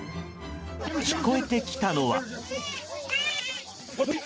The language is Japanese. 聞こえてきたのは。